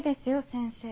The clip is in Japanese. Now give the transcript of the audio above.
先生。